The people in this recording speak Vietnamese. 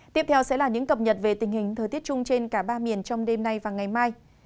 tiếp theo sẽ là những cập nhật về tình hình thời tiết chung trên cả ba miền trong đêm nay và ngày mai